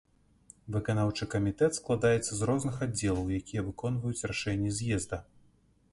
Выканаўчы камітэт складаецца з розных аддзелаў, якія выконваюць рашэнні з'езда.